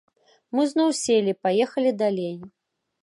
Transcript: Мы зноў селі, паехалі далей.